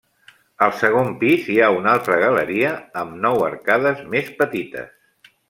Al segon pis hi ha una altra galeria amb nou arcades més petites.